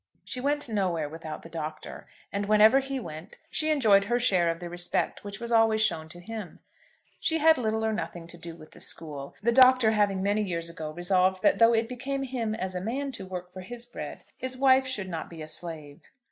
She went nowhere without the Doctor, and whenever he went she enjoyed her share of the respect which was always shown to him. She had little or nothing to do with the school, the Doctor having many years ago resolved that though it became him as a man to work for his bread, his wife should not be a slave.